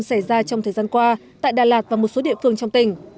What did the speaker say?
xảy ra trong thời gian qua tại đà lạt và một số địa phương trong tỉnh